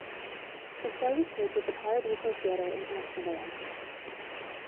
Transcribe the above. The show was taped at the Paradiso Theater in Amsterdam.